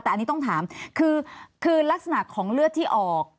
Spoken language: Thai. แต่อันนี้ต้องถามคือลักษณะของเลือดที่ออก